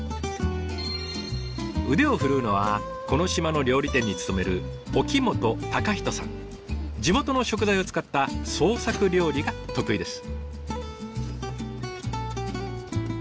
腕を振るうのはこの島の料理店に勤める地元の食材を使った創作料理が得意です。